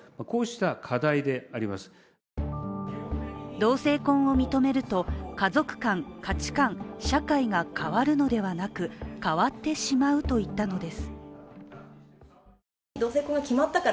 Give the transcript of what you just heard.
同性婚を認めると家族観・価値観・社会が変わるのではなく、変わってしまうと言ったのです。